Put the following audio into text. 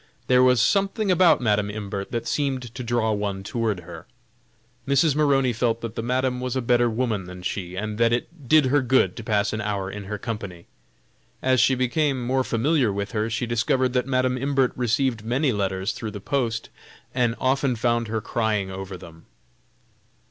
There was something about Madam Imbert that seemed to draw one toward her. Mrs. Maroney felt that the Madam was a better woman than she, and that it did her good to pass an hour in her company. As she became more familiar with her, she discovered that Madam Imbert received many letters through the post, and often found her crying over them.